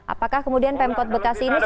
apakah kemudian pemkot bekasi ini